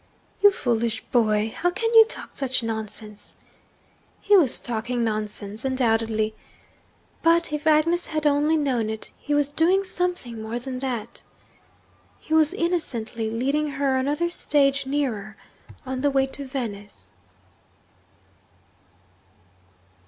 'You foolish boy! How can you talk such nonsense?' He was talking nonsense undoubtedly. But, if Agnes had only known it, he was doing something more than that. He was innocently leading her another stage nearer on the way to Venice.